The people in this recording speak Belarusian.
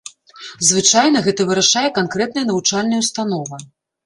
Звычайна гэта вырашае канкрэтная навучальная ўстанова.